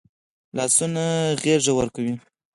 لاسونه غېږ ورکوي